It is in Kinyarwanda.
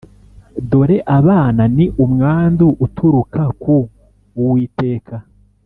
dore abana ni umwandu uturuka ku uwiteka,